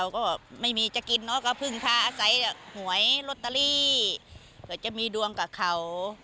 ก็ไม่มีจะกินเนาะก็เพิ่งทาสายหวยโรตตาลีเผื่อจะมีดวงกับเขา